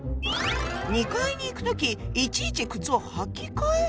２階に行く時いちいち靴を履き替える？